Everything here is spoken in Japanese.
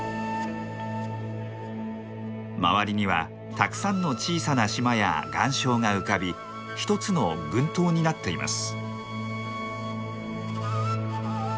周りにはたくさんの小さな島や岩礁が浮かび一つの群島になっています。